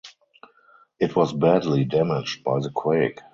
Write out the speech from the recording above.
It was badly damaged by the quake.